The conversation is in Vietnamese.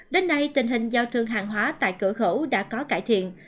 đến nay tình hình giao thương hàng hóa tại cửa khẩu đã có cải thiện